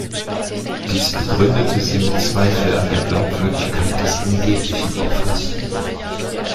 Dies begründete sie mit Zweifel an der Glaubwürdigkeit des angeblichen Opfers.